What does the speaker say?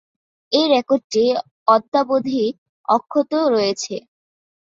এ রেকর্ডটি অদ্যাবধি অক্ষত রয়েছে।